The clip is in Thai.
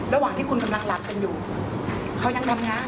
ระหว่างที่คุณกำลังหลับกันอยู่เขายังทำงาน